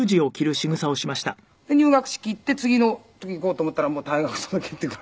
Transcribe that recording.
入学式行って次の時行こうと思ったらもう退学届って。